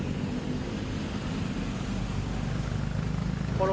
pemudik di jawa barat